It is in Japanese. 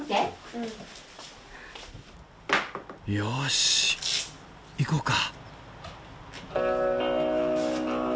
よし行こうか！